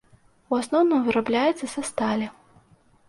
У асноўным вырабляецца са сталі.